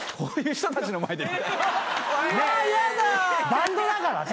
バンドだからね。